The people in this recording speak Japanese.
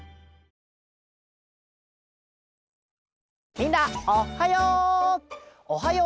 みんなおっはよう！